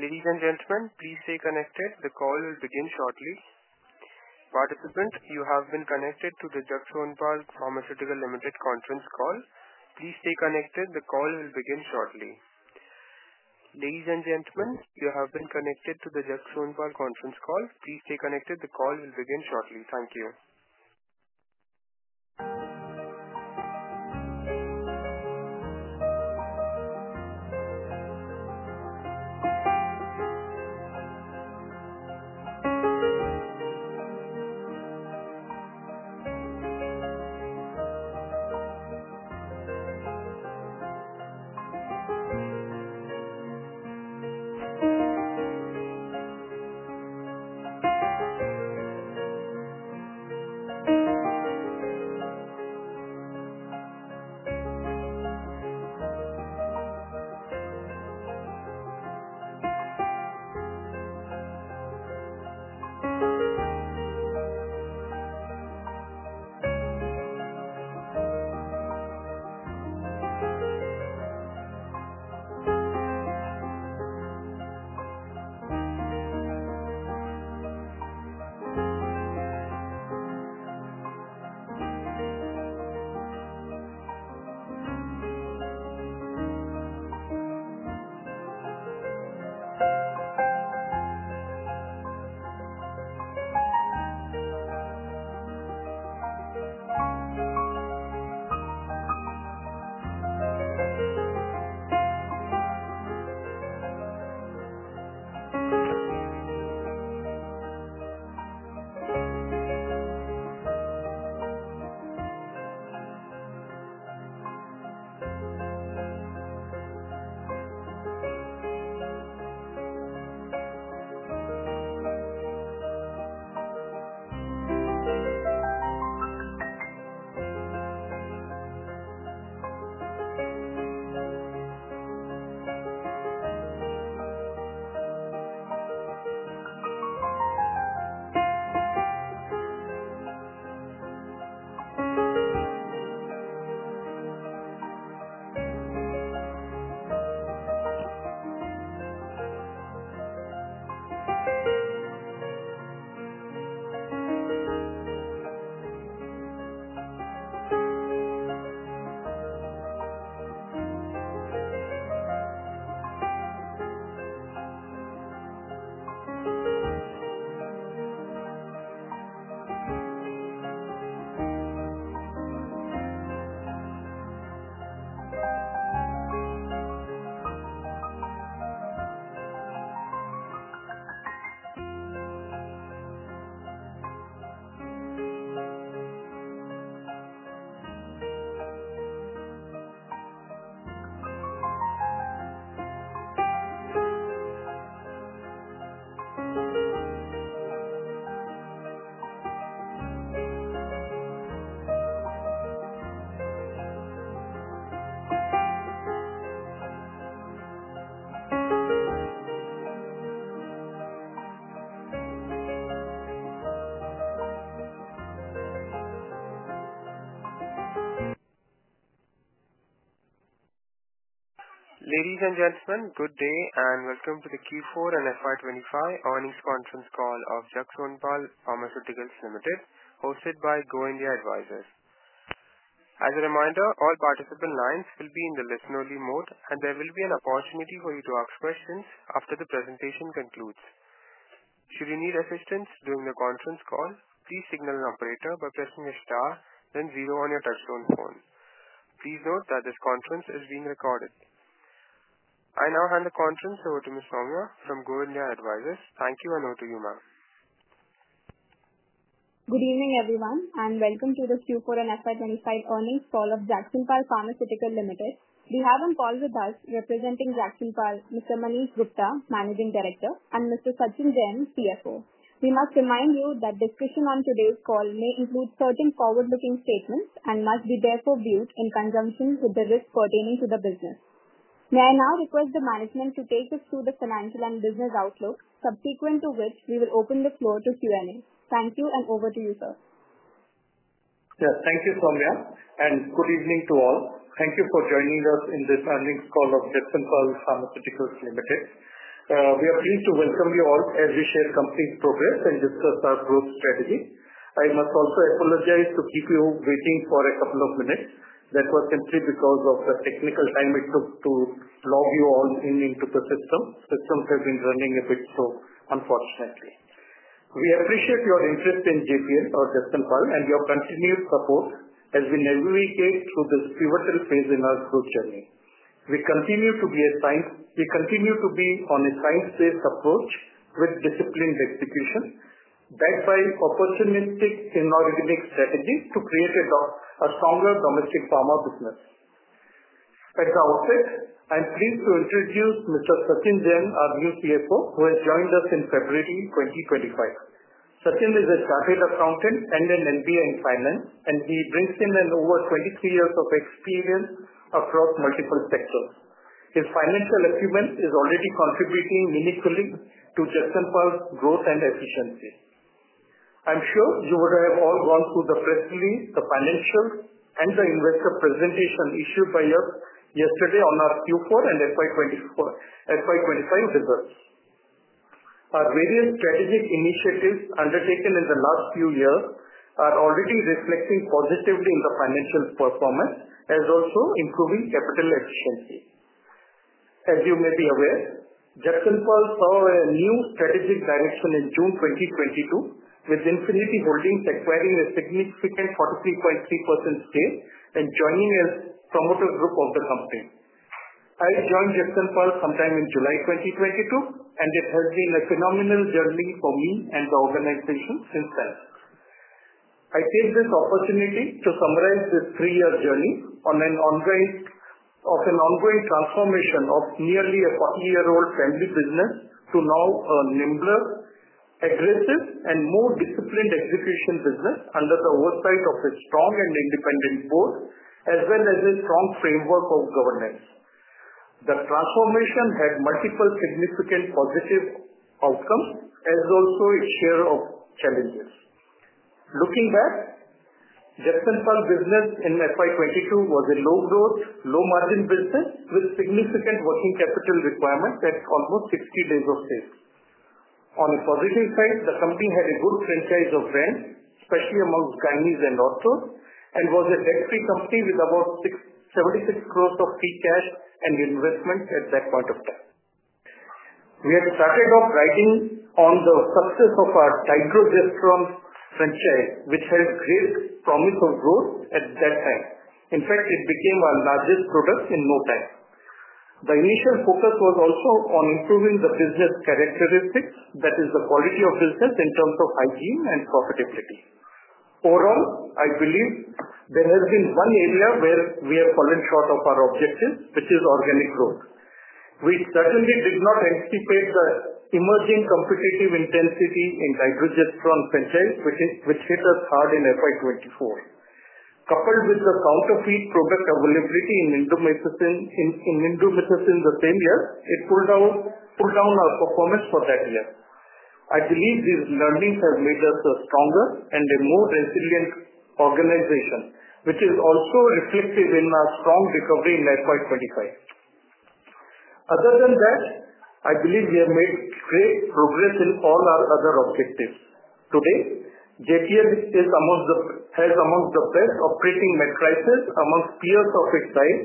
Ladies and gentlemen, please stay connected. The call will begin shortly. Participants, you have been connected to the Jagsonpal Pharmaceuticals Ltd conference call. Please stay connected. The call will begin shortly. Ladies and gentlemen, you have been connected to the Jagsonpal conference call. Please stay connected. The call will begin shortly. Thank you. Ladies and gentlemen, good day and welcome to the Q4 and FY 2025 earnings conference call of Jagsonpal Pharmaceuticals Ltd, hosted by Go India Advisors. As a reminder, all participant lines will be in the listen-only mode, and there will be an opportunity for you to ask questions after the presentation concludes. Should you need assistance during the conference call, please signal an operator by pressing a star, then zero on your touchstone phone. Please note that this conference is being recorded. I now hand the conference over to Ms. Soumya from Go India Advisors. Thank you, and over to you, ma'am. Good evening, everyone, and welcome to the Q4 and FY 2025 earnings call of Jagsonpal Pharmaceuticals Limited. We have on call with us, representing Jagsonpal, Mr. Manish Gupta, Managing Director, and Mr. Sachin Jain, CFO. We must remind you that discussion on today's call may include certain forward-looking statements and must be therefore viewed in conjunction with the risks pertaining to the business. May I now request the management to take us through the financial and business outlook, subsequent to which we will open the floor to Q&A. Thank you, and over to you, sir. Yes, thank you, Soumya, and good evening to all. Thank you for joining us in this earnings call of Jagsonpal Pharmaceuticals Ltd. We are pleased to welcome you all as we share company progress and discuss our growth strategy. I must also apologize to keep you waiting for a couple of minutes. That was simply because of the technical time it took to log you all in into the system. Systems have been running a bit slow, unfortunately. We appreciate your interest in JPL or Jagsonpal and your continued support as we navigate through this pivotal phase in our growth journey. We continue to be assigned; we continue to be on a science-based approach with disciplined execution, backed by opportunistic inorganic strategies to create a stronger domestic pharma business. At the outset, I'm pleased to introduce Mr. Sachin Jain, our new CFO, who has joined us in February 2025. Sachin is a Chartered Accountant and an MBA in Finance, and he brings in over 23 years of experience across multiple sectors. His financial achievement is already contributing meaningfully to Jagsonpal's growth and efficiency. I'm sure you would have all gone through the press release, the financials, and the investor presentation issued by us yesterday on our Q4 and FY 2025 results. Our various strategic initiatives undertaken in the last few years are already reflecting positively in the financial performance, as well as improving capital efficiency. As you may be aware, Jagsonpal saw a new strategic direction in June 2022, with Infinity Holdings acquiring a significant 43.3% stake and joining as promoter group of the company. I joined Jagsonpal sometime in July 2022, and it has been a phenomenal journey for me and the organization since then. I take this opportunity to summarize this three-year journey on an ongoing transformation of nearly a 40-year-old family business to now a nimbler, aggressive, and more disciplined execution business under the oversight of a strong and independent board, as well as a strong framework of governance. The transformation had multiple significant positive outcomes, as well as its share of challenges. Looking back, Jagsonpal's business in FY 2022 was a low-growth, low-margin business with significant working capital requirements at almost 60 days of sales. On a positive side, the company had a good franchise of brands, especially amongst Gyneas and Orthos, and was a debt-free company with about 76 crore of free cash and investment at that point of time. We had started off riding on the success of our dydrogesterone franchise, which had great promise of growth at that time. In fact, it became our largest product in no time. The initial focus was also on improving the business characteristics, that is, the quality of business in terms of hygiene and profitability. Overall, I believe there has been one area where we have fallen short of our objective, which is organic growth. We certainly did not anticipate the emerging competitive intensity in dydrogesterone franchise, which hit us hard in FY 2024. Coupled with the counterfeit product availability in Indomethacin the same year, it pulled down our performance for that year. I believe these learnings have made us stronger and a more resilient organization, which is also reflective in our strong recovery in FY 2025. Other than that, I believe we have made great progress in all our other objectives. Today, JPL has amongst the best operating metrics amongst peers of its size,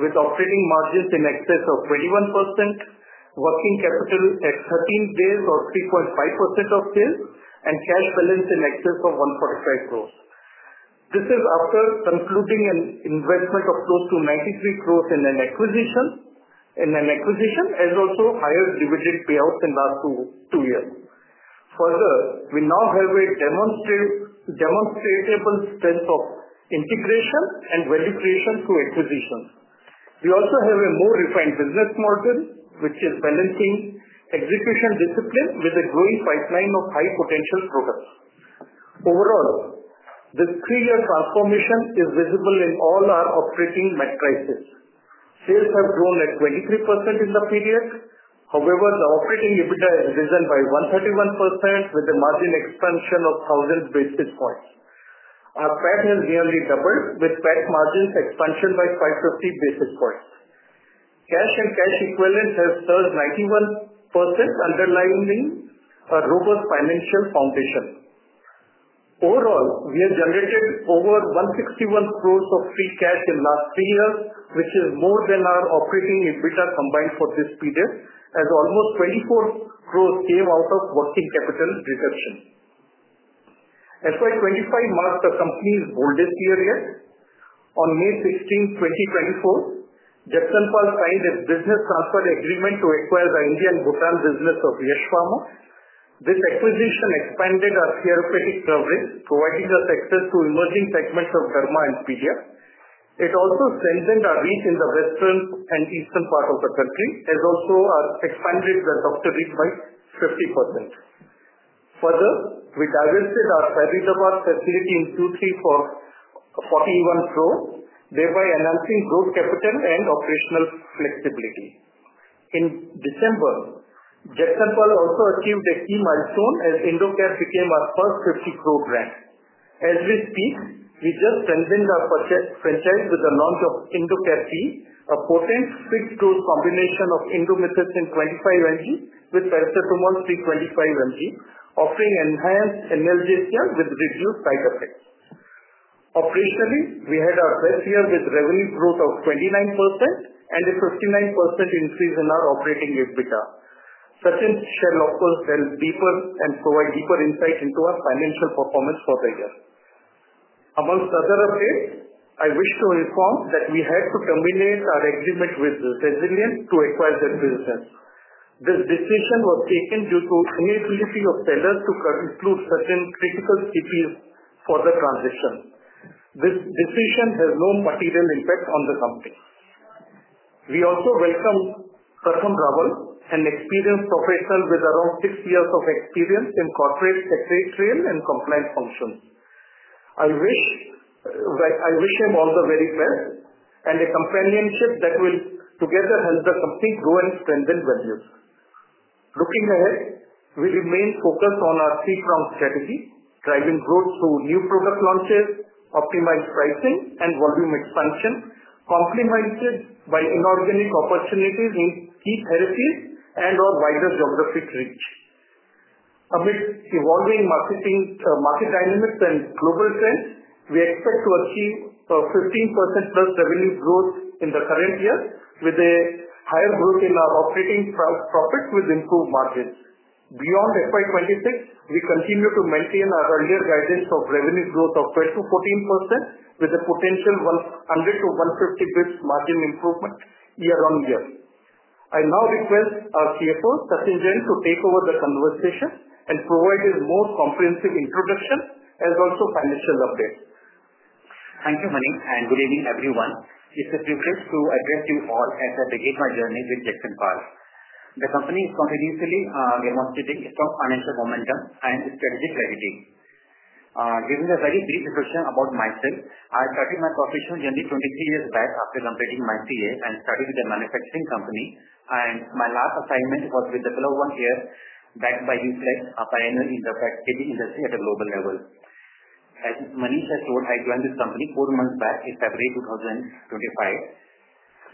with operating margins in excess of 21%, working capital at 13 days or 3.5% of sales, and cash balance in excess of 145 crore. This is after concluding an investment of close to 93 crore in an acquisition, as well as higher dividend payouts in the last two years. Further, we now have a demonstrable strength of integration and value creation through acquisitions. We also have a more refined business model, which is balancing execution discipline with a growing pipeline of high-potential products. Overall, this three-year transformation is visible in all our operating metrics. Sales have grown at 23% in the period. However, the operating EBITDA has risen by 131%, with a margin expansion of one thousand basis points. Our PAT has nearly doubled, with PAT margins expansion by 550 basis points. Cash and cash equivalents have surged 91%, underlining a robust financial foundation. Overall, we have generated over 161 crore of free cash in the last three years, which is more than our operating EBITDA combined for this period, as almost 24 crore came out of working capital reduction. FY 2025 marked the company's boldest year yet. On May 16, 2024, Jagsonpal signed a business transfer agreement to acquire the India Bhutan business of Yash Pharma. This acquisition expanded our therapeutic coverage, providing us access to emerging segments of derma and PDF. It also strengthened our reach in the western and eastern part of the country, as well as expanded the doctor reach by 50%. Further, we diversified our Faridabad facility in Q3 for 41 crore, thereby enhancing growth capital and operational flexibility. In December, Jagsonpal also achieved a key milestone as Indocap became our first 50 crore brand. As we speak, we just strengthened our franchise with the launch of Indocap P, a potent fixed-dose combination of indomethacin 25 mg with paracetamol 325 mg, offering enhanced analgesia with reduced side effects. Operationally, we had our best year with revenue growth of 29% and a 59% increase in our operating EBITDA. Sachin shall, of course, delve deeper and provide deeper insight into our financial performance for the year. Amongst other updates, I wish to inform that we had to terminate our agreement with Resilience to acquire that business. This decision was taken due to inability of sellers to include certain critical CPs for the transition. This decision has no material impact on the company. We also welcome Pratham Rawal, an experienced professional with around six years of experience in corporate secretarial and compliance functions. I wish him all the very best and a companionship that will together help the company grow and strengthen values. Looking ahead, we remain focused on our three-pronged strategy, driving growth through new product launches, optimized pricing, and volume expansion, complemented by inorganic opportunities in key territories and/or wider geographic reach. Amidst evolving market dynamics and global trends, we expect to achieve 15% plus revenue growth in the current year, with a higher growth in our operating profits with improved margins. Beyond FY 2026, we continue to maintain our earlier guidance of revenue growth of 12%-14%, with a potential 100-150 basis points margin improvement year-on-year. I now request our CFO, Sachin Jain, to take over the conversation and provide his most comprehensive introduction, as well as financial updates. Thank you, Manish, and good evening, everyone. It's a privilege to address you all as I begin my journey with Jagsonpal. The company is continuously demonstrating strong financial momentum and strategic clarity. Giving a very brief description about myself, I started my professional journey 23 years back after completing my CA and started with a manufacturing company. My last assignment was with the Club One Air backed by UFLEX, a pioneer in the packaging industry at a global level. As Manish has told, I joined this company four months back in February 2025.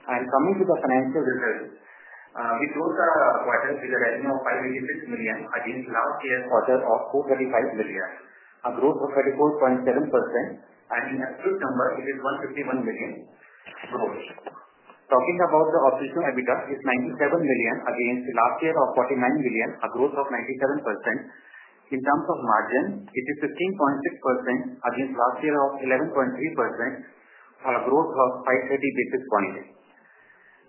Coming to the financial results, we closed our quarter with a revenue of INR 586 million against last year's quarter of INR 435 million. Our growth was 34.7%, and in absolute number, it is INR 151 million gross. Talking about the operational EBITDA, it's INR 97 million against last year of INR 49 million, a growth of 97%. In terms of margin, it is 15.6% against last year of 11.3%, a growth of 530 basis points.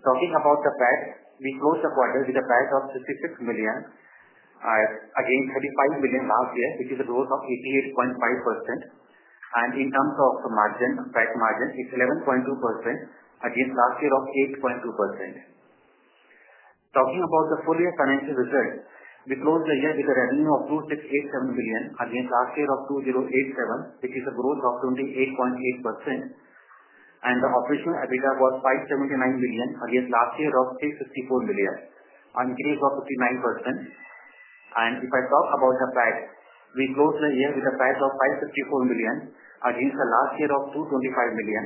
Talking about the PAT, we closed the quarter with a PAT of 56 million against 35 million last year, which is a growth of 88.5%. In terms of the margin, PAT margin is 11.2% against last year of 8.2%. Talking about the full year financial results, we closed the year with a revenue of 2,687 million against last year of 2,087 million, which is a growth of 28.8%. The operational EBITDA was 579 million against last year of 364 million, an increase of 59%. If I talk about the PAT, we closed the year with a PAT of 554 million against last year of 225 million.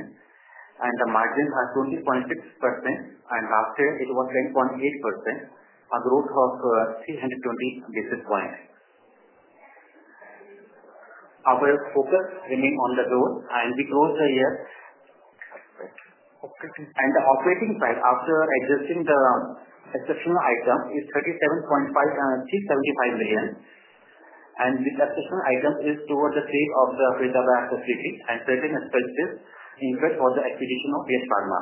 The margin was 20.6%, and last year it was 10.8%, a growth of 320 basis points. Our focus remained on the growth, and we closed the year. The operating side, after adjusting the exceptional items, is 37.375 million. This exceptional item is towards the sale of the Faridabad facility and certain expenses incurred for the acquisition of Yash Pharma.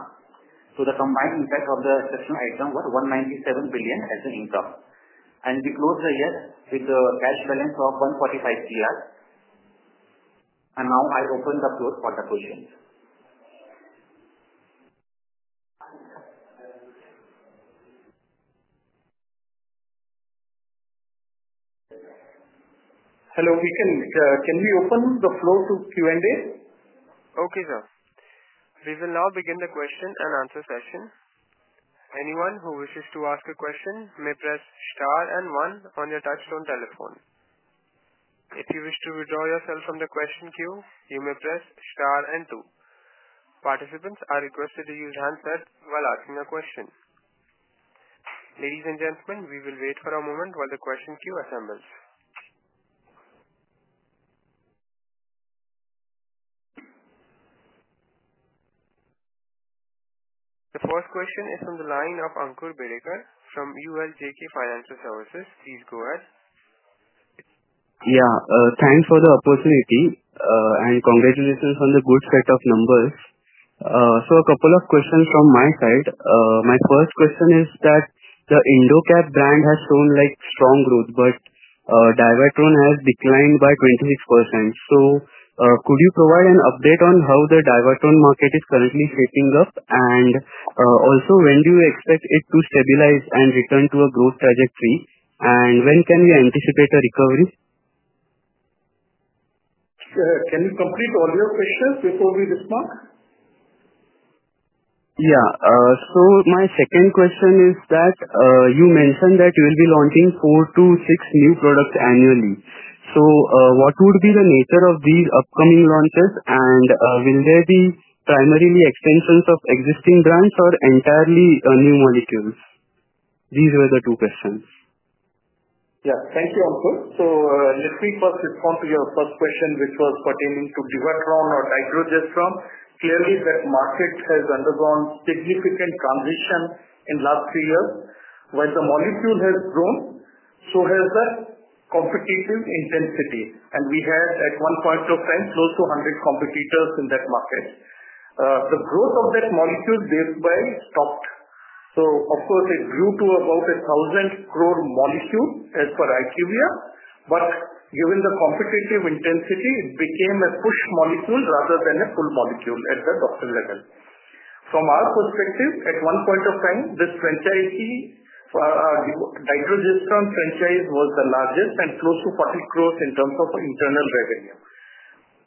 The combined impact of the exceptional item was 197 billion as an income. We closed the year with a cash balance of 145 crore. I now open the floor for the questions. Hello, can we open the floor to Q&A? Okay, sir. We will now begin the question and answer session. Anyone who wishes to ask a question may press star and one on your touchstone telephone. If you wish to withdraw yourself from the question queue, you may press star and two. Participants are requested to use hands up while asking a question. Ladies and gentlemen, we will wait for a moment while the question queue assembles. The first question is from the line of Ankur Bhadekar from ULJK Financial Services. Please go ahead. Yeah, thanks for the opportunity and congratulations on the good set of numbers. A couple of questions from my side. My first question is that the Indocap brand has shown strong growth, but Divatrone has declined by 26%. Could you provide an update on how the Divatrone market is currently shaping up? Also, when do you expect it to stabilize and return to a growth trajectory? When can we anticipate a recovery? Can you complete all your questions before we dismiss? Yeah. So my second question is that you mentioned that you will be launching four to six new products annually. What would be the nature of these upcoming launches? Will they be primarily extensions of existing brands or entirely new molecules? These were the two questions. Yeah, thank you, Ankur. Let me first respond to your first question, which was pertaining to Divatrone or dydrogesterone. Clearly, that market has undergone significant transition in the last three years. While the molecule has grown, so has that competitive intensity. We had, at one point of time, close to 100 competitors in that market. The growth of that molecule thereby stopped. It grew to about 1,000 crore molecule as per IQVIA. Given the competitive intensity, it became a push molecule rather than a pull molecule at the doctor level. From our perspective, at one point of time, this franchise, the dydrogesterone franchise, was the largest and close to 40 crore in terms of internal revenue.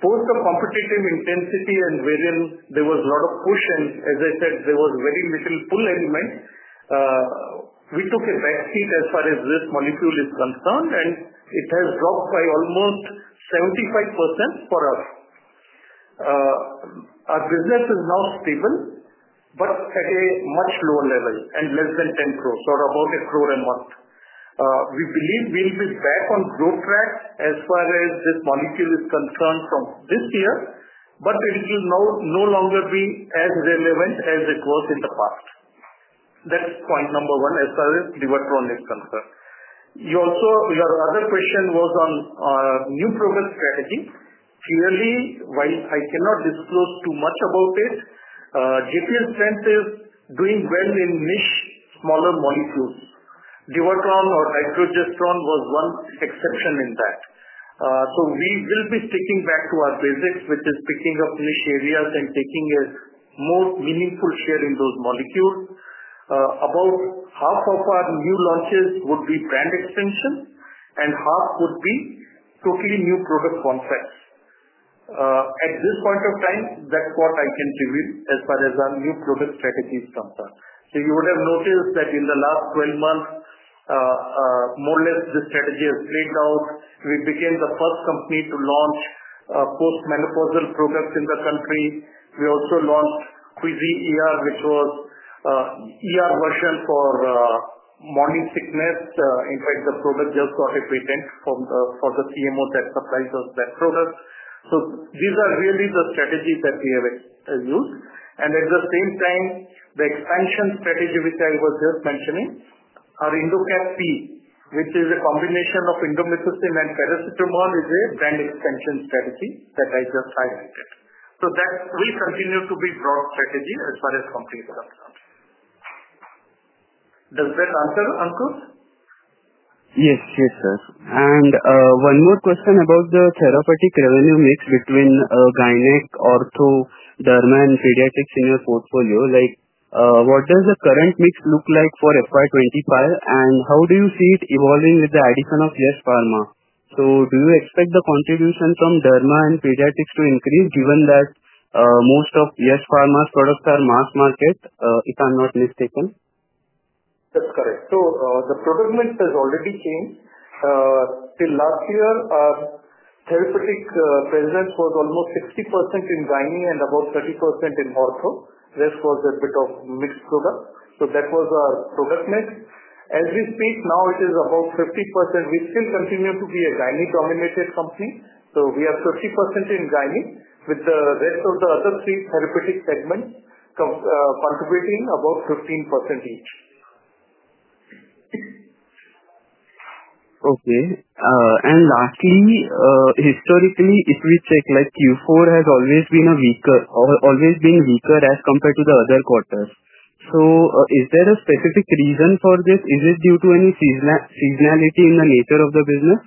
Post the competitive intensity and variance, there was a lot of push, and as I said, there was very little pull element. We took a back seat as far as this molecule is concerned, and it has dropped by almost 75% for us. Our business is now stable, but at a much lower level and less than 10 crore or about 1 crore a month. We believe we'll be back on growth track as far as this molecule is concerned from this year, but it will no longer be as relevant as it was in the past. That's point number one as far as Divatrone is concerned. Your other question was on new product strategy. Clearly, while I cannot disclose too much about it, JPL Plant is doing well in niche smaller molecules. Divatrone or dydrogesterone was one exception in that. We will be sticking back to our basics, which is picking up niche areas and taking a more meaningful share in those molecules. About half of our new launches would be brand extension, and half would be totally new product concepts. At this point of time, that's what I can tell you as far as our new product strategy is concerned. You would have noticed that in the last 12 months, more or less, this strategy has played out. We became the first company to launch post-menopausal products in the country. We also launched Queezy ER, which was ER version for morning sickness. In fact, the product just got a patent from the CMO that supplies us that product. These are really the strategies that we have used. At the same time, the expansion strategy, which I was just mentioning, our Indocap P, which is a combination of indomethacin and paracetamol, is a brand extension strategy that I just highlighted. That will continue to be a broad strategy as far as companies are concerned. Does that answer, Ankur? Yes, yes, sir. And one more question about the therapeutic revenue mix between Gynea, Ortho, Derma, and Pediatrics in your portfolio. What does the current mix look like for FY 2025, and how do you see it evolving with the addition of Yash Pharma? So do you expect the contribution from Derma and Pediatrics to increase, given that most of Yash Pharma's products are mass market, if I'm not mistaken? That's correct. So the product mix has already changed. Till last year, our therapeutic presence was almost 60% in Gynea and about 30% in Ortho. This was a bit of mixed product. So that was our product mix. As we speak, now it is about 50%. We still continue to be a Gynea-dominated company. We have 50% in Gynea, with the rest of the other three therapeutic segments contributing about 15% each. Okay. Lastly, historically, if we check, Q4 has always been weaker as compared to the other quarters. Is there a specific reason for this? Is it due to any seasonality in the nature of the business?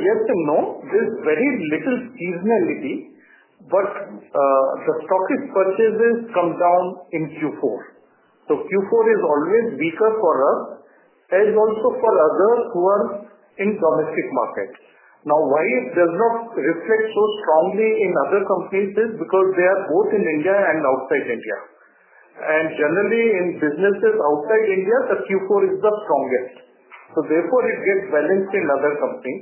Yes and no. There is very little seasonality, but the stockist purchases come down in Q4. Q4 is always weaker for us, as also for others who are in the domestic market. Now, why it does not reflect so strongly in other companies is because they are both in India and outside India. Generally, in businesses outside India, Q4 is the strongest. Therefore, it gets balanced in other companies.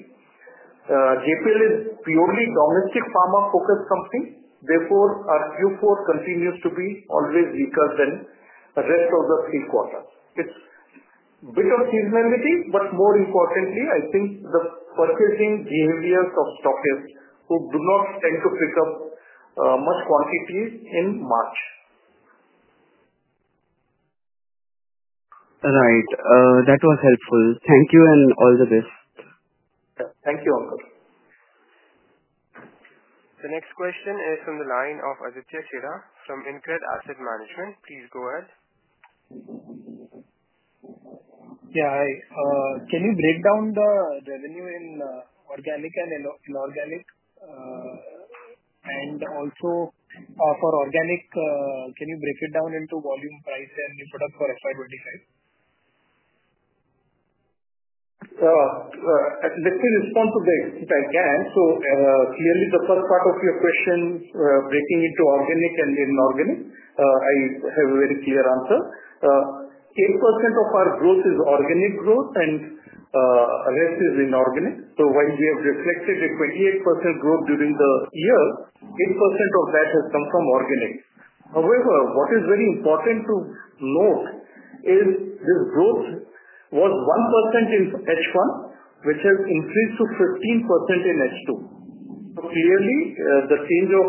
JPL is purely a domestic pharma-focused company. Therefore, our Q4 continues to be always weaker than the rest of the three quarters. It is a bit of seasonality, but more importantly, I think the purchasing behaviors of stockists who do not tend to pick up much quantity in March. Right. That was helpful. Thank you and all the best. Thank you, Ankur. The next question is from the line of Aditya Chheda from InCred Asset Management. Please go ahead. Yeah. Can you break down the revenue in organic and inorganic? Also, for organic, can you break it down into volume, price, and new product for FY 2025? Let me respond to the extent I can. Clearly, the first part of your question, breaking into organic and inorganic, I have a very clear answer. 8% of our growth is organic growth, and the rest is inorganic. While we have reflected a 28% growth during the year, 8% of that has come from organic. However, what is very important to note is this growth was 1% in H1, which has increased to 15% in H2. Clearly, the change of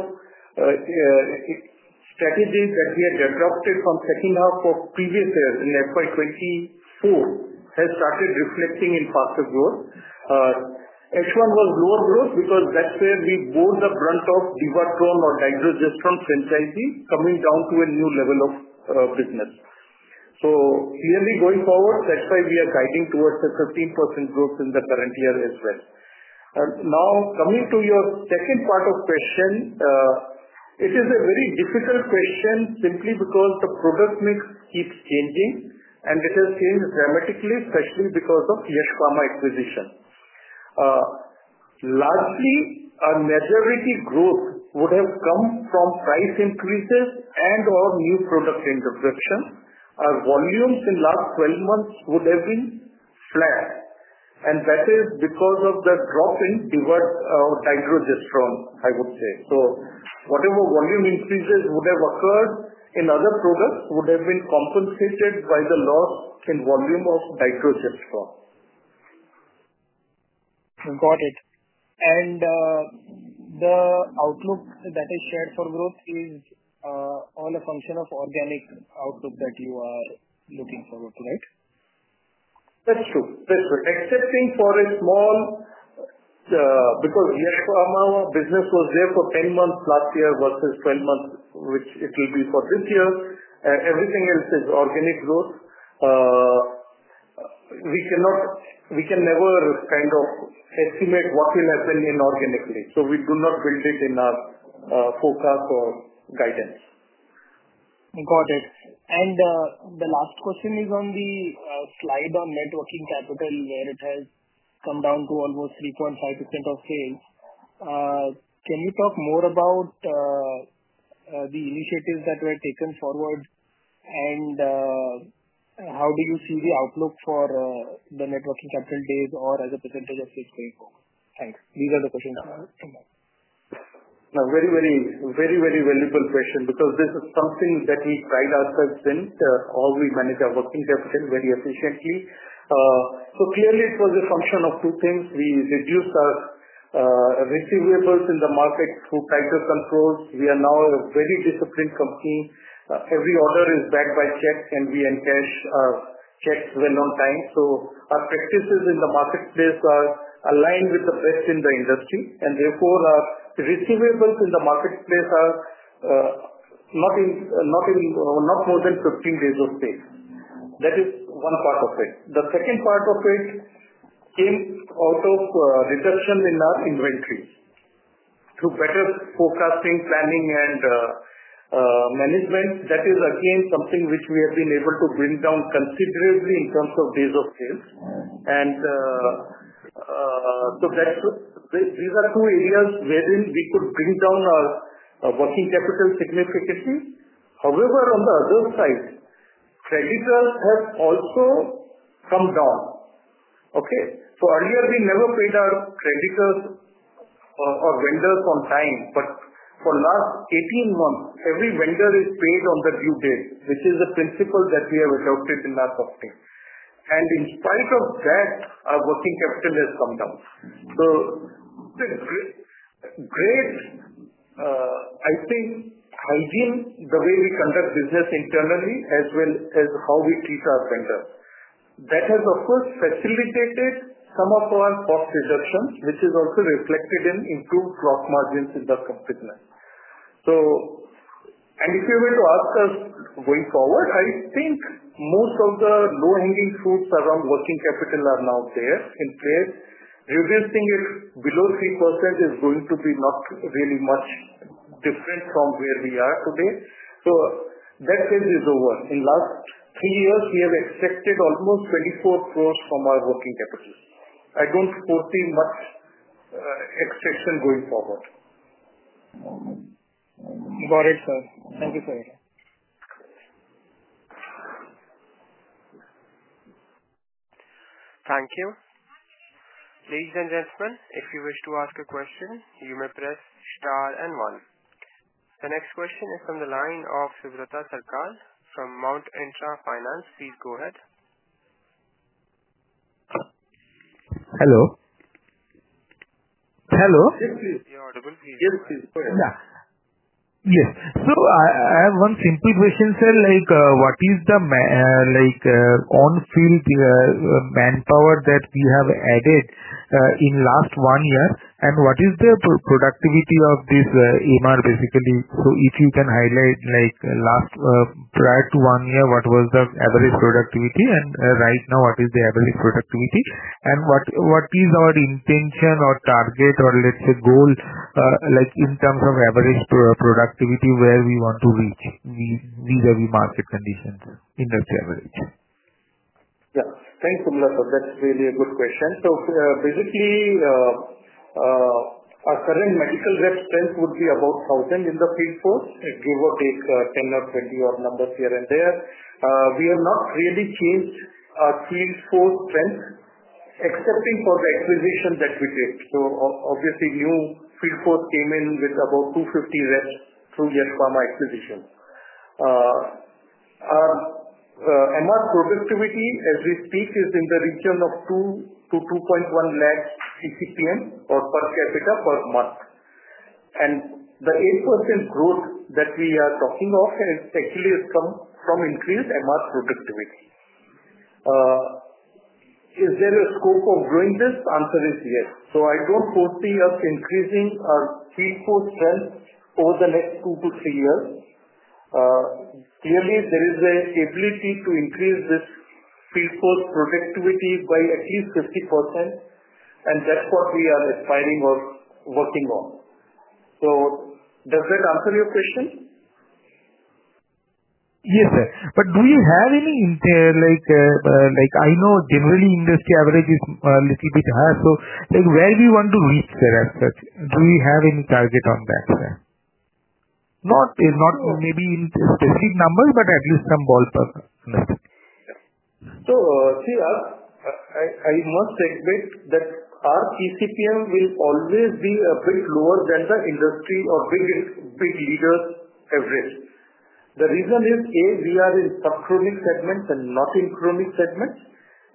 strategy that we had adopted from the second half of previous years in FY 2024 has started reflecting in faster growth. H1 was lower growth because that is where we bore the brunt of Divatrone or dydrogesterone franchise coming down to a new level of business. Clearly, going forward, that is why we are guiding towards a 15% growth in the current year as well. Now, coming to your second part of the question, it is a very difficult question simply because the product mix keeps changing, and it has changed dramatically, especially because of the Yash Pharma acquisition. Largely, our majority growth would have come from price increases and/or new product introduction. Our volumes in the last 12 months would have been flat. That is because of the drop in dydrogesterone, I would say. Whatever volume increases would have occurred in other products would have been compensated by the loss in volume of dydrogesterone. Got it. The outlook that is shared for growth is all a function of organic outlook that you are looking forward to, right? That's true. That's true. Excepting for a small because Yash Pharma business was there for 10 months last year versus 12 months, which it will be for this year. Everything else is organic growth. We can never kind of estimate what will happen inorganically. So we do not build it in our forecast or guidance. Got it. The last question is on the slide on working capital, where it has come down to almost 3.5% of sales. Can you talk more about the initiatives that were taken forward, and how do you see the outlook for the working capital days or as a percentage of sales going forward? Thanks. These are the questions I have. Very, very valuable question because this is something that we pride ourselves in. How we manage our working capital very efficiently. Clearly, it was a function of two things. We reduced our receivables in the market through tighter controls. We are now a very disciplined company. Every order is backed by checks, and we encash checks well on time. Our practices in the marketplace are aligned with the best in the industry. Therefore, our receivables in the marketplace are not more than 15 days of sale. That is one part of it. The second part of it came out of reduction in our inventory. Through better forecasting, planning, and management, that is, again, something which we have been able to bring down considerably in terms of days of sale. These are two areas wherein we could bring down our working capital significantly. However, on the other side, creditors have also come down. Okay? Earlier, we never paid our creditors or vendors on time. For the last 18 months, every vendor is paid on the due date, which is a principle that we have adopted in our company. In spite of that, our working capital has come down. Great, I think, hygiene, the way we conduct business internally, as well as how we treat our vendors. That has, of course, facilitated some of our cost reduction, which is also reflected in improved gross margins in the company. If you were to ask us going forward, I think most of the low-hanging fruits around working capital are now there in place. Reducing it below 3% is going to be not really much different from where we are today. That phase is over. In the last three years, we have extracted almost 24 crore from our working capital. I do not foresee much extraction going forward. Got it, sir. Thank you, sir. Thank you. Ladies and gentlemen, if you wish to ask a question, you may press star and one. The next question is from the line of Subrata Sarkar from Mount Intra Finance. Please go ahead. Hello. Hello? Yes, please. You're audible, please. Yes, please. Go ahead. Yeah. Yes. I have one simple question, sir. What is the on-field manpower that we have added in the last one year? What is the productivity of this EMR, basically? If you can highlight, prior to one year, what was the average productivity, and right now, what is the average productivity? What is our intention or target or, let's say, goal in terms of average productivity where we want to reach? These are the market conditions, industry average. Yeah. Thanks, Subrata. That's really a good question. Basically, our current medical rep strength would be about 1,000 in the field force, give or take 10 or 20 odd numbers here and there. We have not really changed our field force strength, excepting for the acquisition that we did. Obviously, new field force came in with about 250 reps through Yash Pharma acquisition. Our MR productivity, as we speak, is in the region of 2-2.1 lakh PCPM or per capita per month. The 8% growth that we are talking of actually has come from increased MR productivity. Is there a scope of growing this? The answer is yes. I do not foresee us increasing our field force strength over the next two to three years. Clearly, there is an ability to increase this field force productivity by at least 50%. That is what we are aspiring or working on. Does that answer your question? Yes, sir. Do you have any, I know generally industry average is a little bit higher. Where do you want to reach, sir, as such? Do you have any target on that, sir? Not maybe in specific numbers, but at least some ballpark. See, I must admit that our PCPM will always be a bit lower than the industry or big leaders' average. The reason is, A, we are in subchromic segments and not in chromic segments.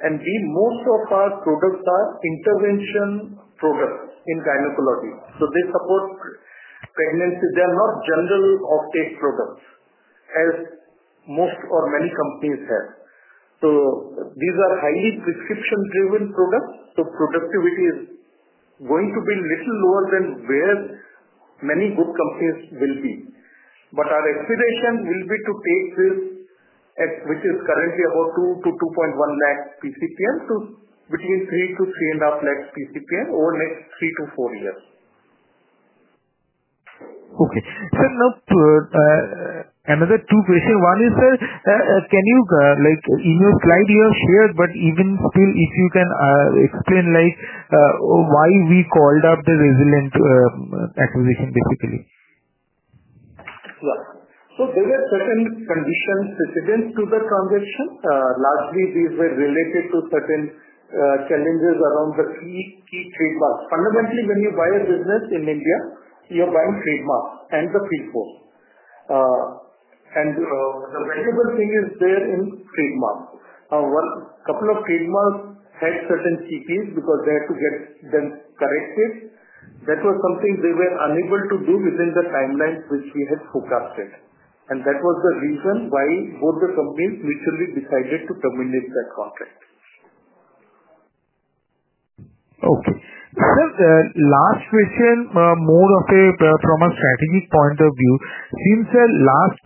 B, most of our products are intervention products in gynecology. They support pregnancy. They are not general offtake products, as most or many companies have. These are highly prescription-driven products. Productivity is going to be a little lower than where many good companies will be. Our aspiration will be to take this, which is currently about 2-2.1 lakh PCPM, to between 3-3.5 lakh PCPM over the next three to four years. Okay. Sir, now, another two questions. One is, sir, in your slide, you have shared, but even still, if you can explain why we called off the Resilience acquisition, basically. Yeah. There were certain conditions precedent to the transaction. Lastly, these were related to certain challenges around the key trademarks. Fundamentally, when you buy a business in India, you're buying trademarks and the field force. The valuable thing is there in trademarks. A couple of trademarks had certain conditions precedent because they had to get them corrected. That was something they were unable to do within the timelines which we had forecasted. That was the reason why both the companies mutually decided to terminate that contract. Okay. Sir, last question, more from a strategic point of view. Since last,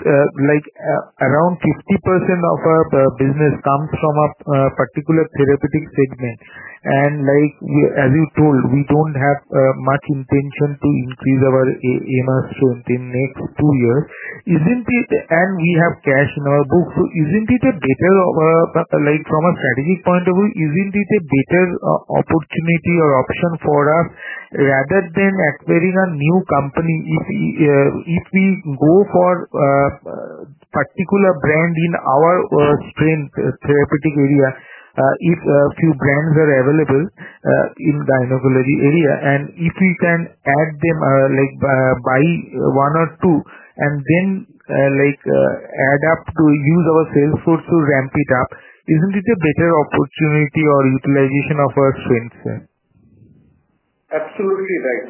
around 50% of our business comes from a particular therapeutic segment. As you told, we do not have much intention to increase our MR strength in the next two years. We have cash in our books. Isn't it better from a strategic point of view, isn't it a better opportunity or option for us rather than acquiring a new company if we go for a particular brand in our strength therapeutic area if a few brands are available in the gynecology area? If we can add them, buy one or two, and then add up to use our sales force to ramp it up, isn't it a better opportunity or utilization of our strength, sir? Absolutely right.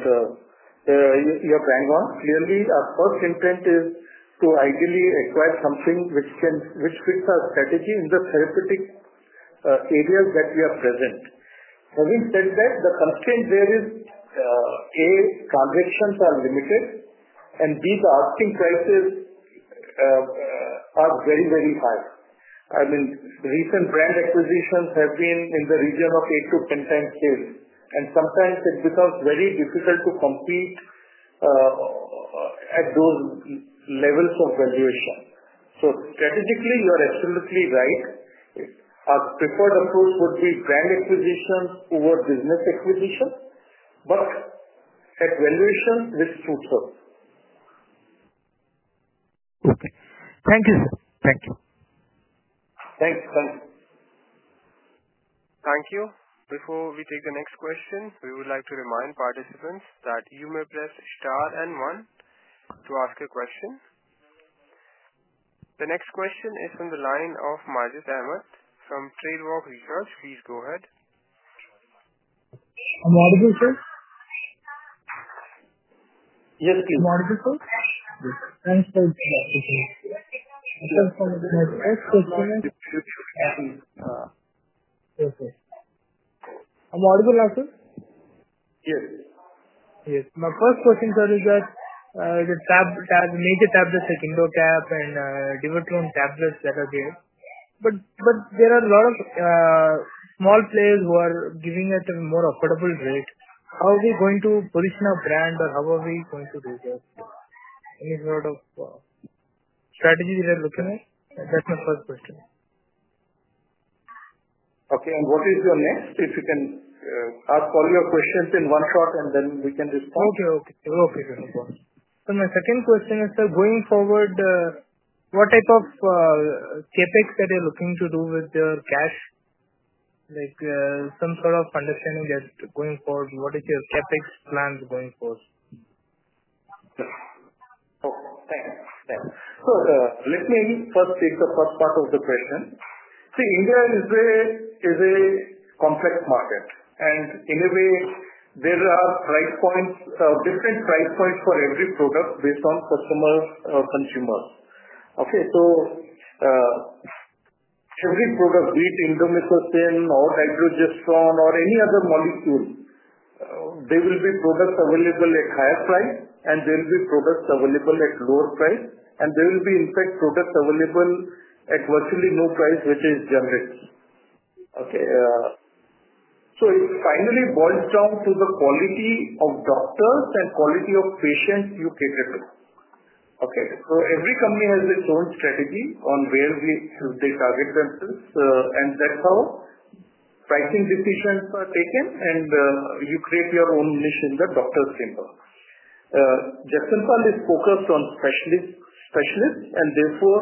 You're bang on. Clearly, our first intent is to ideally acquire something which fits our strategy in the therapeutic areas that we are present. Having said that, the constraint there is, A, transactions are limited, and B, the asking prices are very, very high. I mean, recent brand acquisitions have been in the region of 8-10 times sales. Sometimes it becomes very difficult to compete at those levels of valuation. Strategically, you are absolutely right. Our preferred approach would be brand acquisition over business acquisition, but at valuation with footwork. Okay. Thank you, sir. Thank you. Thanks. Thanks. Thank you. Before we take the next question, we would like to remind participants that you may press star and one to ask a question. The next question is from the line of Majid Ahamed from TradeWalk Research. Please go ahead. Yes, please. My first question, sir, is that the major tablets, like Indocap and Divertrone tablets that are there, but there are a lot of small players who are giving it at a more affordable rate. How are we going to position our brand, or how are we going to do this? Any sort of strategy we are looking at? That's my first question. Okay. What is your next? If you can ask all your questions in one shot, then we can respond. Okay. No problem. My second question is, sir, going forward, what type of CapEx that you're looking to do with your cash? Some sort of understanding that going forward, what is your CapEx plan going forward? Oh, thanks. Thanks. Let me first take the first part of the question. See, India is a complex market. In a way, there are different price points for every product based on customers or consumers. Okay? Every product, be it Indocap or dydrogestrone or any other molecule, there will be products available at higher price, and there will be products available at lower price, and there will be, in fact, products available at virtually no price, which is generic. Okay? It finally boils down to the quality of doctors and quality of patients you cater to. Okay? Every company has its own strategy on where they target themselves. That is how pricing decisions are taken, and you create your own niche in the doctor's chamber. Jagsonpal is focused on specialists, and therefore,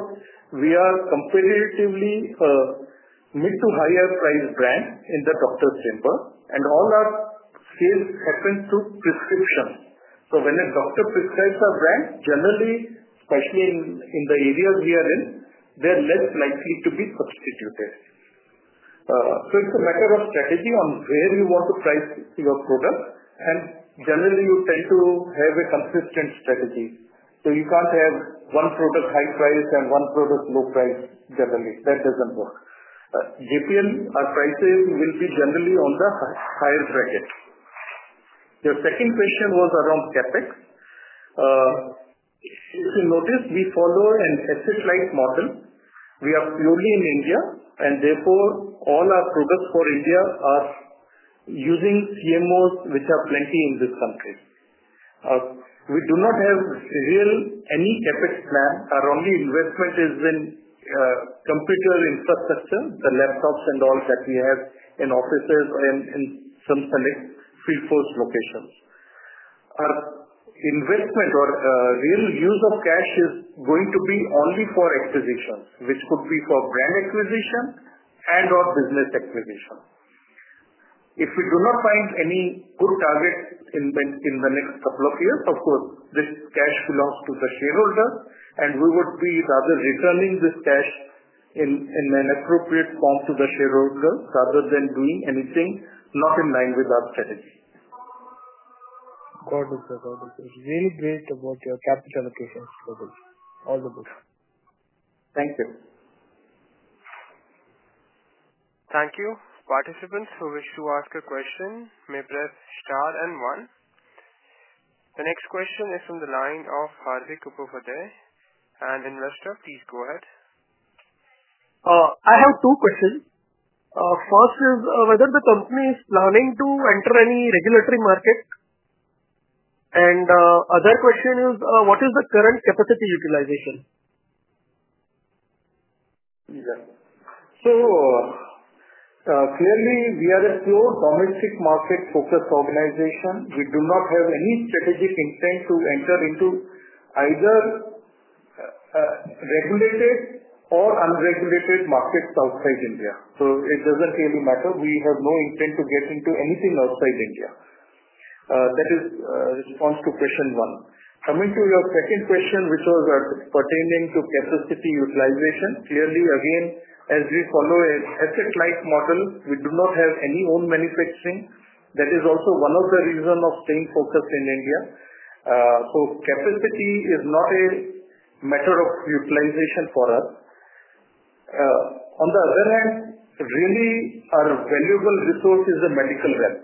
we are competitively mid to higher-priced brands in the doctor's chamber. All our sales happen through prescription. When a doctor prescribes a brand, generally, especially in the areas we are in, they are less likely to be substituted. It is a matter of strategy on where you want to price your product. Generally, you tend to have a consistent strategy. You cannot have one product high price and one product low price, generally. That does not work. JPL, our prices will be generally on the higher bracket. Your second question was around CapEx. If you notice, we follow an asset-light model. We are purely in India, and therefore, all our products for India are using CMOs, which are plenty in this country. We do not have any CapEx plan. Our only investment is in computer infrastructure, the laptops and all that we have in offices and in some select field force locations. Our investment or real use of cash is going to be only for acquisitions, which could be for brand acquisition and/or business acquisition. If we do not find any good target in the next couple of years, of course, this cash belongs to the shareholders, and we would be rather returning this cash in an appropriate form to the shareholders rather than doing anything not in line with our strategy. Got it. Got it. Really great about your CapEx allocations. All the best. Thank you. Thank you. Participants who wish to ask a question may press star and one. The next question is from the line of Hardik Upadhyay. An investor, please go ahead. I have two questions. First is, whether the company is planning to enter any regulatory market? The other question is, what is the current capacity utilization? Yeah. Clearly, we are a pure domestic market-focused organization. We do not have any strategic intent to enter into either regulated or unregulated markets outside India. It does not really matter. We have no intent to get into anything outside India. That is the response to question one. Coming to your second question, which was pertaining to capacity utilization, clearly, again, as we follow an asset-light model, we do not have any own manufacturing. That is also one of the reasons for staying focused in India. Capacity is not a matter of utilization for us. On the other hand, really, our valuable resource is the medical rep.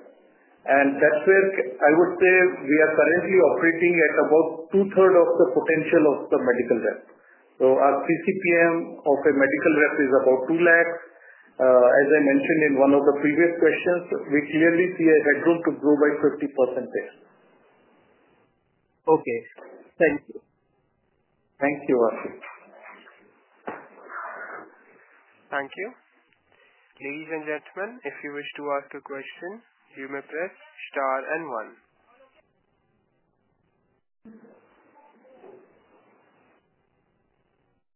That is where I would say we are currently operating at about two-thirds of the potential of the medical rep. Our PCPM of a medical rep is about 2 lakh. As I mentioned in one of the previous questions, we clearly see a headroom to grow by 50% there. Okay. Thank you. Thank you, Hardik. Thank you. Ladies and gentlemen, if you wish to ask a question, you may press star and one.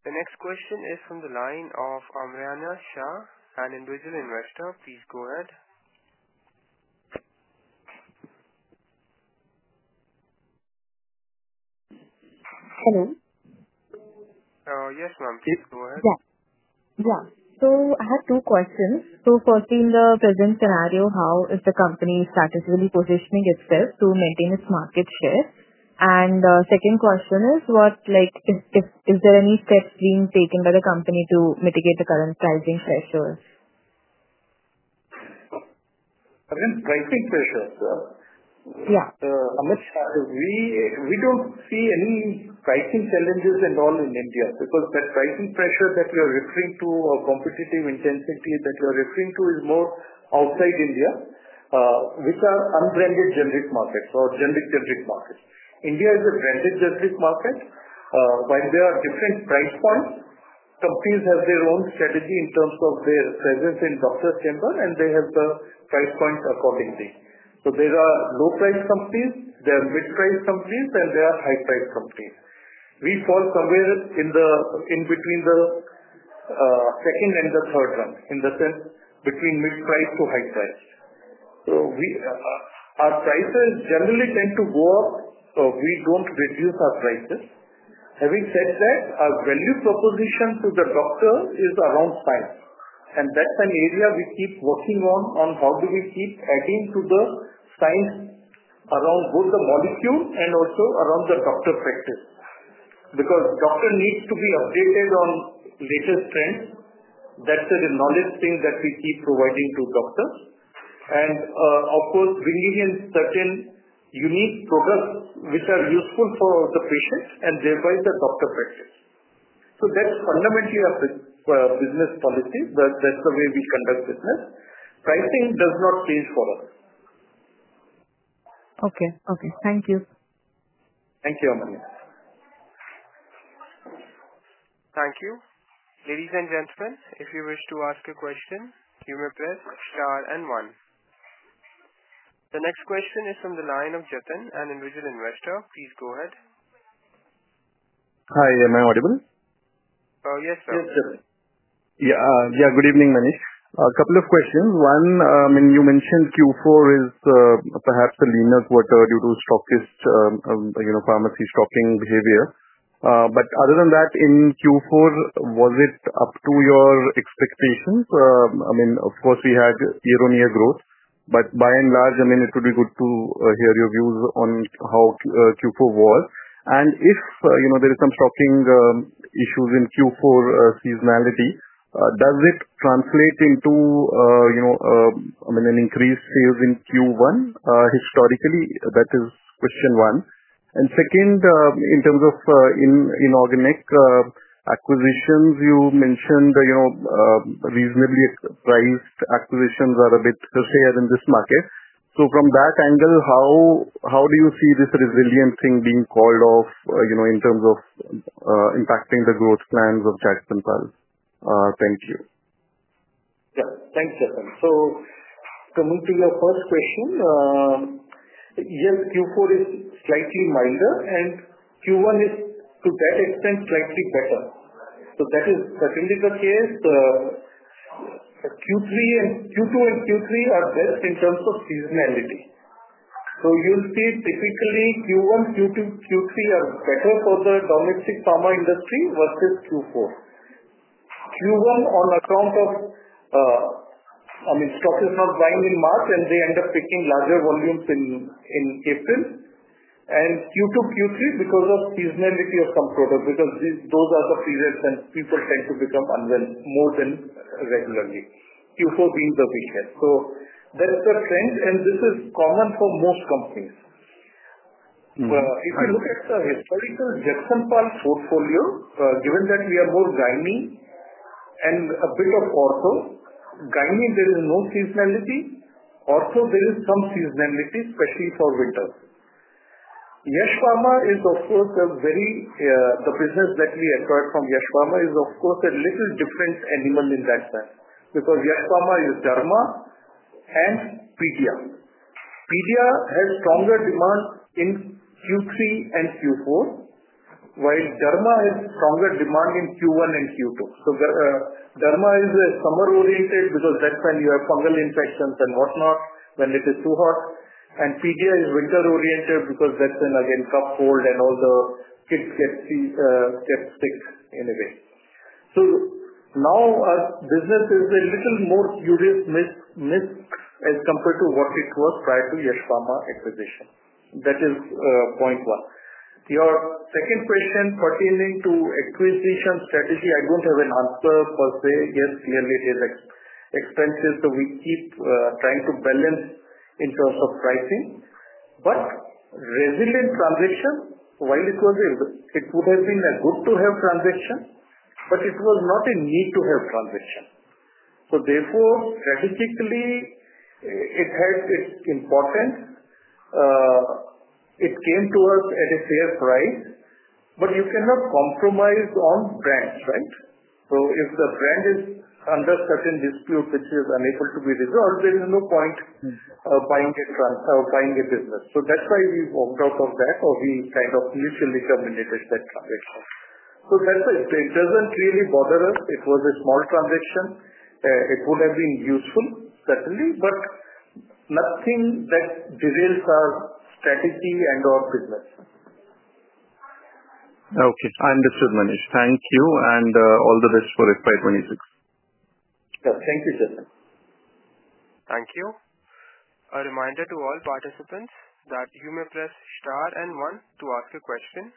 The next question is from the line of Amayra Shah, an individual investor. Please go ahead. Hello. Yes, ma'am. Please go ahead. Yeah. Yeah. I have two questions. Firstly, in the present scenario, how is the company strategically positioning itself to maintain its market share? Second question is, is there any steps being taken by the company to mitigate the current pricing pressures? Again, pricing pressures. We do not see any pricing challenges at all in India because that pricing pressure that you are referring to, or competitive intensity that you are referring to, is more outside India, which are unbranded generic markets or generic-generic markets. India is a branded generic market. While there are different price points, companies have their own strategy in terms of their presence in doctor's chamber, and they have the price points accordingly. There are low-priced companies, there are mid-priced companies, and there are high-priced companies. We fall somewhere in between the second and the third run, in the sense between mid-price to high-price. Our prices generally tend to go up. We do not reduce our prices. Having said that, our value proposition to the doctor is around science. That is an area we keep working on, on how do we keep adding to the science around both the molecule and also around the doctor practice because doctor needs to be updated on latest trends. That is a knowledge thing that we keep providing to doctors. Of course, bringing in certain unique products which are useful for the patient and thereby the doctor practice. That is fundamentally our business policy. That is the way we conduct business. Pricing does not change for us. Okay. Okay. Thank you. Thank you, Amayra. Thank you. Ladies and gentlemen, if you wish to ask a question, you may press star and one. The next question is from the line of Jatin, an individual investor. Please go ahead. Hi. Am I audible? Yes, sir. Yes, sir. Yeah. Good evening, Manish. A couple of questions. One, I mean, you mentioned Q4 is perhaps a leaner quarter due to pharmacy stocking behavior. Other than that, in Q4, was it up to your expectations? I mean, of course, we had year-on-year growth. By and large, I mean, it would be good to hear your views on how Q4 was. If there are some stocking issues in Q4 seasonality, does it translate into, I mean, an increased sales in Q1? Historically, that is question one. Second, in terms of inorganic acquisitions, you mentioned reasonably priced acquisitions are a bit rare in this market. From that angle, how do you see this Resilience thing being called off in terms of impacting the growth plans of Jagsonpal? Thank you. Yeah. Thanks, Jatin. Coming to your first question, yes, Q4 is slightly milder, and Q1 is, to that extent, slightly better. That is certainly the case. Q2 and Q3 are best in terms of seasonality. You will see typically Q1, Q2, Q3 are better for the domestic pharma industry versus Q4. Q1, on account of, I mean, stock is not buying in March, and they end up picking larger volumes in April. Q2, Q3, because of seasonality of some products, because those are the periods when people tend to become unwell more than regularly, Q4 being the weakest. That is the trend, and this is common for most companies. If you look at the historical Jagsonpal portfolio, given that we are more gyne and a bit of ortho. Gyne, there is no seasonality. Ortho, there is some seasonality, especially for winter. Yash Pharma is, of course, the business that we acquired from Yash Pharma is, of course, a little different animal in that sense because Yash Pharma is Derma and Pedia. Pedia has stronger demand in Q3 and Q4, while Derma has stronger demand in Q1 and Q2. Derma is summer-oriented because that is when you have fungal infections and whatnot when it is too hot. Pedia is winter-oriented because that is when, again, cough, cold, and all the kids get sick in a way. Now our business is a little more curious as compared to what it was prior to the Yash Pharma acquisition. That is point one. Your second question pertaining to acquisition strategy, I do not have an answer per se. Yes, clearly, it is expensive. We keep trying to balance in terms of pricing. Resilient transaction, while it was a good-to-have transaction, but it was not a need-to-have transaction. Therefore, strategically, it has its importance. It came to us at a fair price, but you cannot compromise on brands, right? If the brand is under certain dispute, which is unable to be resolved, there is no point of buying a business. That is why we walked out of that, or we kind of mutually terminated that transaction. That is it. It does not really bother us. It was a small transaction. It would have been useful, certainly, but nothing that derails our strategy and/or business. Okay. I understood, Manish. Thank you. All the best for FY 2026. Yeah. Thank you, Jatin. Thank you. A reminder to all participants that you may press star and one to ask a question.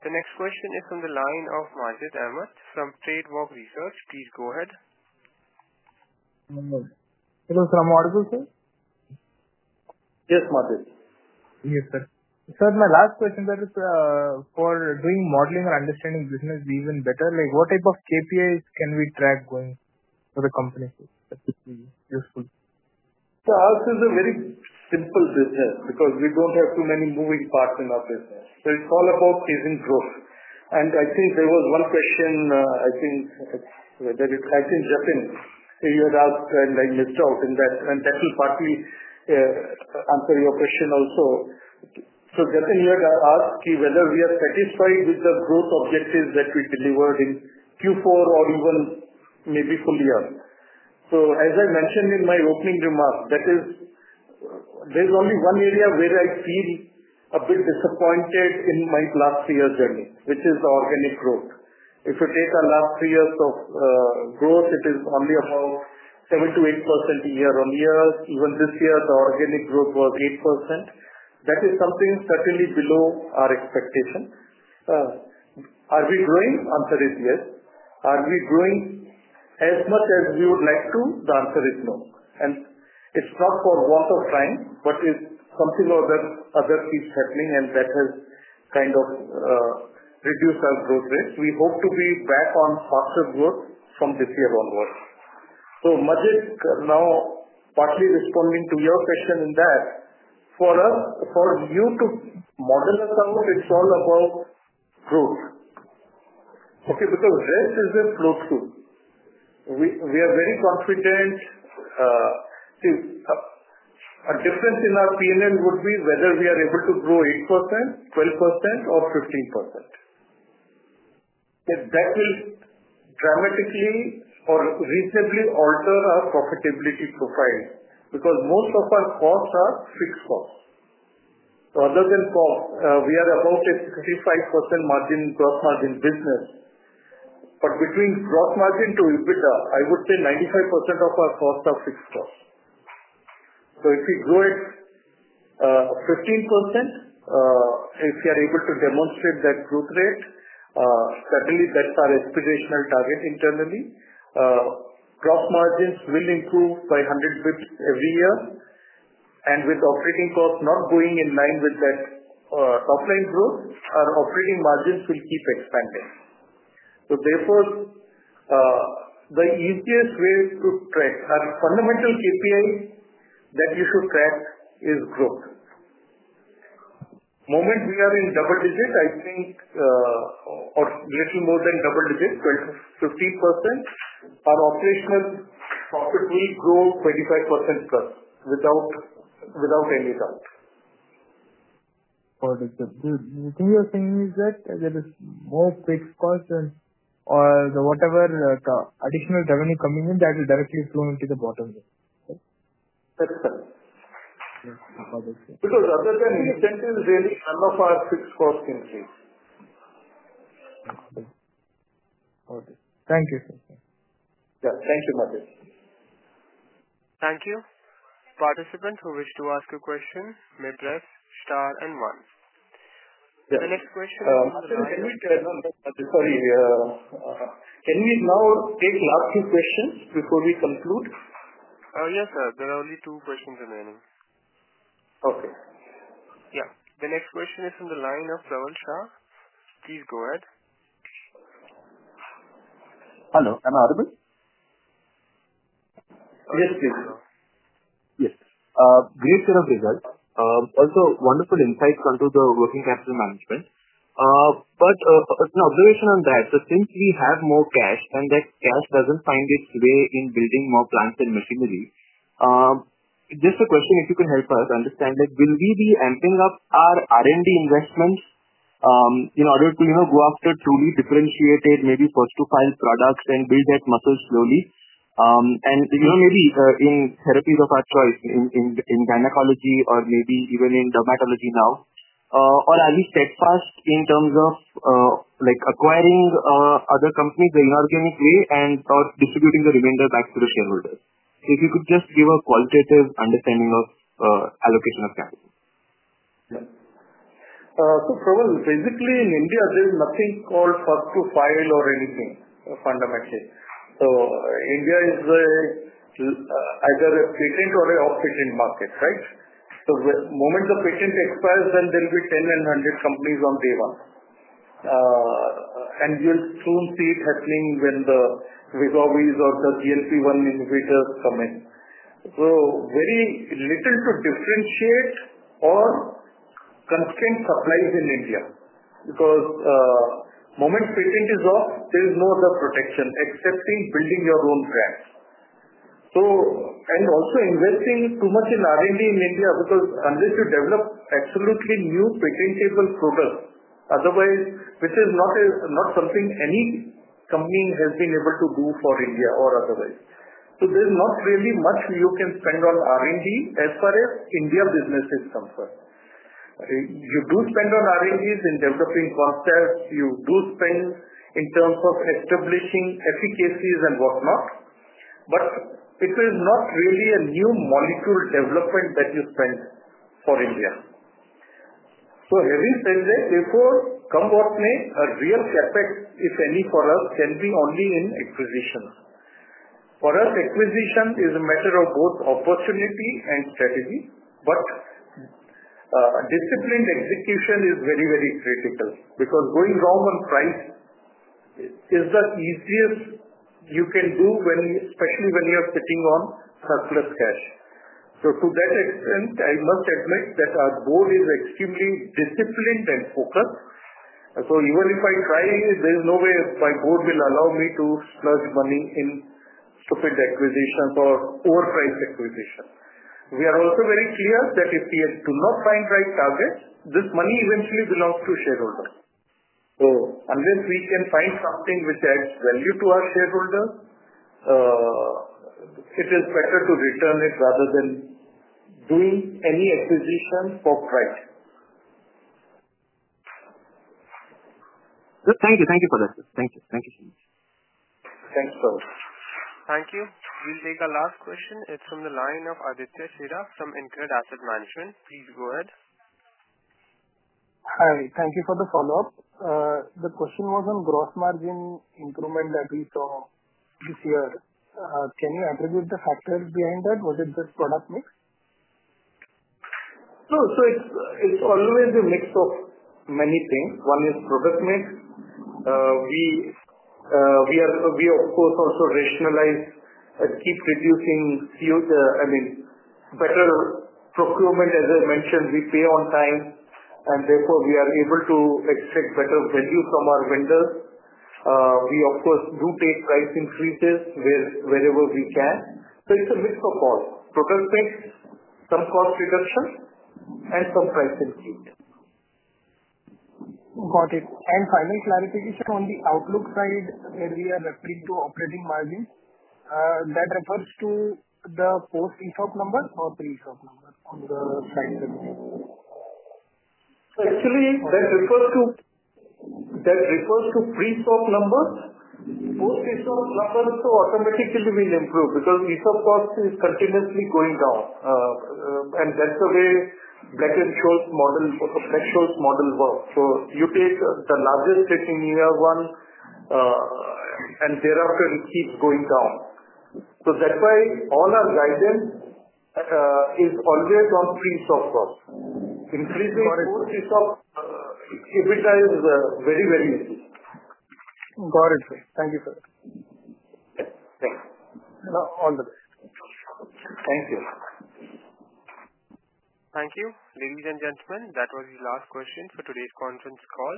The next question is from the line of Majid Ahamed from TradeWalk Research. Please go ahead. Hello. Am I audible, sir? Yes, Majid. Yes, sir. Sir, my last question, that is for doing modeling or understanding business even better. What type of KPIs can we track going for the company to be useful? Yeah. Ours is a very simple business because we do not have too many moving parts in our business. It is all about chasing growth. I think there was one question, I think that it is—I think, Jatin, you had asked, and I missed out in that. That will partly answer your question also. Jatin, you had asked whether we are satisfied with the growth objectives that we delivered in Q4 or even maybe full year. As I mentioned in my opening remark, there is only one area where I feel a bit disappointed in my last three years' journey, which is the organic growth. If you take our last three years of growth, it is only about 7%-8% year-on-year. Even this year, the organic growth was 8%. That is something certainly below our expectation. Are we growing? Answer is yes. Are we growing as much as we would like to? The answer is no. It is not for want of time, but it is something or other keeps happening, and that has kind of reduced our growth rate. We hope to be back on faster growth from this year onward. Majid, now partly responding to your question in that, for us, for you to model us out, it is all about growth. Okay. Because rest is a slow scoop. We are very confident. See, a difference in our P&L would be whether we are able to grow 8%, 12%, or 15%. That will dramatically or reasonably alter our profitability profile because most of our costs are fixed costs. Other than costs, we are about a 35% gross margin business. Between gross margin to EBITDA, I would say 95% of our costs are fixed costs. If we grow at 15%, if we are able to demonstrate that growth rate, certainly that is our aspirational target internally. Gross margins will improve by 100 basis points every year. With operating costs not going in line with that top-line growth, our operating margins will keep expanding. Therefore, the easiest way to track our fundamental KPI that you should track is growth. The moment we are in double digit, I think, or a little more than double digit, 12-15%, our operational profit will grow 25% plus without any doubt. Do you think you're saying is that there is more fixed costs or whatever additional revenue coming in, that will directly flow into the bottom? That's correct. Because other than incentives, really, none of our fixed costs increase. Okay. Thank you, sir. Yeah. Thank you, Majid. Thank you. Participants who wish to ask a question may press star and one. The next question is from the line of— Sorry. Can we now take last two questions before we conclude? Yes, sir. There are only two questions remaining. Okay. Yeah. The next question is from the line of Praval Shah. Please go ahead. Hello. Am I audible? Yes, please. Yes. Great set of results. Also, wonderful insights onto the working capital management. An observation on that. Since we have more cash and that cash does not find its way in building more plants and machinery, just a question if you can help us understand, will we be amping up our R&D investments in order to go after truly differentiated, maybe first-to-file products and build that muscle slowly? Maybe in therapies of our choice in gynecology or maybe even in dermatology now, or are we steadfast in terms of acquiring other companies in an inorganic way and distributing the remainder back to the shareholders? If you could just give a qualitative understanding of allocation of capital. Pravel, basically, in India, there is nothing called first-to-file or anything fundamentally. India is either a patent or an off-patent market, right? The moment the patent expires, then there will be 10 and 100 companies on day one. You'll soon see it happening when the Wegovy or the GLP-1 inhibitors come in. Very little to differentiate or constrain supplies in India because the moment patent is off, there is no other protection except in building your own brand. Also, investing too much in R&D in India, because unless you develop absolutely new patentable products, otherwise, which is not something any company has been able to do for India or otherwise. There's not really much you can spend on R&D as far as India businesses come first. You do spend on R&Ds in developing concepts. You do spend in terms of establishing efficacies and whatnot. It is not really a new molecule development that you spend for India. Having said that, therefore, come what may, a real setback, if any, for us can be only in acquisitions. For us, acquisition is a matter of both opportunity and strategy. Disciplined execution is very, very critical because going wrong on price is the easiest you can do, especially when you're sitting on surplus cash. To that extent, I must admit that our board is extremely disciplined and focused. Even if I try, there is no way my board will allow me to splurge money in stupid acquisitions or overpriced acquisitions. We are also very clear that if we do not find the right targets, this money eventually belongs to shareholders. Unless we can find something which adds value to our shareholders, it is better to return it rather than doing any acquisition for pride. Thank you for that, sir. Thank you so much. Thanks, Pravel. Thank you. We'll take a last question. It's from the line of Aditya Chheda from InCred Asset Management. Please go ahead. Hi. Thank you for the follow-up. The question was on gross margin improvement that we saw this year. Can you attribute the factors behind that? Was it just product mix? No. It's always a mix of many things. One is product mix. We, of course, also rationalize and keep reducing, I mean, better procurement. As I mentioned, we pay on time, and therefore, we are able to extract better value from our vendors. We, of course, do take price increases wherever we can. It's a mix of all: product mix, some cost reduction, and some price increase. Got it. Final clarification on the outlook side where we are referring to operating margins. That refers to the post-ESOP number or pre-ESOP number on the slide? Actually, that refers to pre-ESOP numbers. Post-ESOP numbers automatically will improve because ESOP costs are continuously going down. That is the way Black-Scholes model works. You take the largest tech in year one, and thereafter, it keeps going down. That is why all our guidance is always on pre-ESOP costs. Increasing post ESOPs EBITDA very, very easy. Got it, sir. Thank you, sir. Thanks. All the best. Thank you. Thank you. Ladies and gentlemen, that was the last question for today's conference call.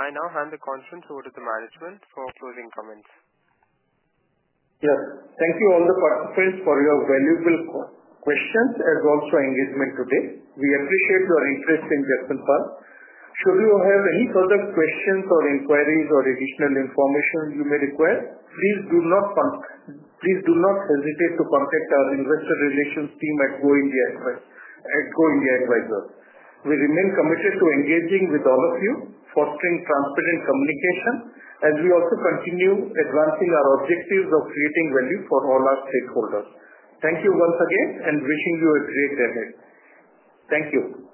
I now hand the conference over to the management for closing comments. Yes. Thank you, all the participants, for your valuable questions and also engagement today. We appreciate your interest in Jagsonpal. Should you have any further questions or inquiries or additional information you may require, please do not hesitate to contact our investor relations team at Go India Advisors. We remain committed to engaging with all of you, fostering transparent communication, as we also continue advancing our objectives of creating value for all our stakeholders. Thank you once again and wishing you a great day ahead. Thank you.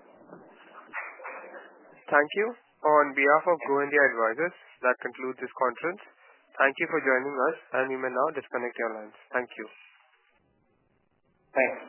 Thank you. On behalf of Go India Advisors, that concludes this conference. Thank you for joining us, and you may now disconnect your lines. Thank you. Thanks.